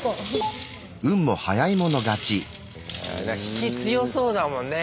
引き強そうだもんね